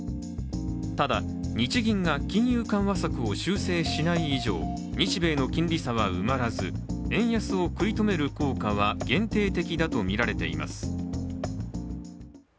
ただ日銀が金融緩和策を修正しない以上日米の金利差は埋まらず円安を食い止める効果は限定的だとみられています。